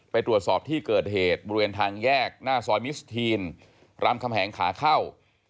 ไปตรวจสอบที่เกิดเหตุบริเวณทางแยกหน้าซอยมิสทีนรามคำแหงขาเข้า